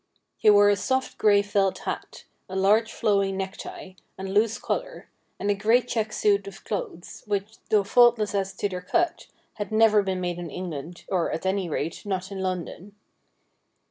He wore a soft grey felt hat, a large, flowing necktie, and loose collar, and a grey check suit of clothes, which, though faultless as to their cut, had never been made in England, or, at any rate, not in London.